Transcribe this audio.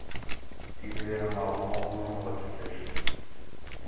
— Тиде верым ала-мо ужмыла чучеш.